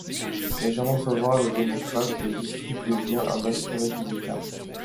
Légèrement favorable aux démocrates, le district devient un bastion républicain.